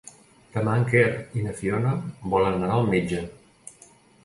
Demà en Quer i na Fiona volen anar al metge.